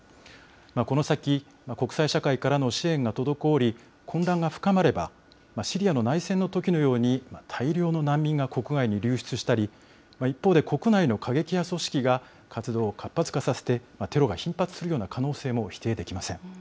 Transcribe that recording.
この先、国際社会からの支援が滞り、混乱が深まれば、シリアの内戦のときのように、大量の難民が国外に流出したり、一方で、国内の過激派組織が活動を活発化させて、テロが頻発するような可能性も否定できません。